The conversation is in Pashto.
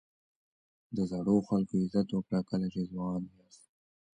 د زړو خلکو عزت وکړه کله چې ځوان یاست.